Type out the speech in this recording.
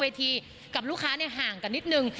เวทีกับลูกค้าห่างกันนิดนึง